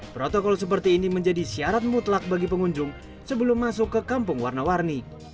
protokol seperti ini menjadi syarat mutlak bagi pengunjung sebelum masuk ke kampung warna warni